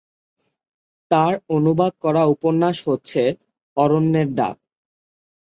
তার অনুবাদ করা উপন্যাস হচ্ছে 'অরণ্যের ডাক'।